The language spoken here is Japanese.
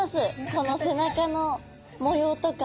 この背中の模様とか。